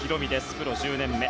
プロ１０年目。